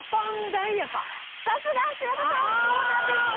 さすが柴田さんそうなんです！